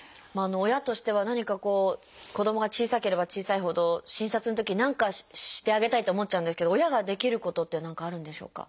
親としては何かこう子どもが小さければ小さいほど診察のとき何かしてあげたいと思っちゃうんですけど親ができることって何かあるんでしょうか？